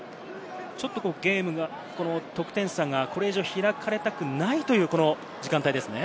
ちょっとゲームが、得点差がこれ以上開かれたくないという時間帯ですね。